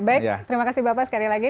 baik terima kasih bapak sekali lagi